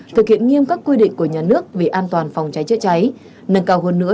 thực hiện nghiêm các quy định của nhà nước về an toàn phòng cháy chữa cháy nâng cao hơn nữa